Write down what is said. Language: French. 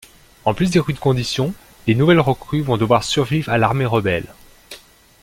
En plus des rudes conditions, les nouvelles recrues vont devoir survivre à l'Armée Rebelle.